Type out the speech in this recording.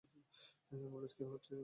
অ্যাম্বুলেন্সে কী হচ্ছে?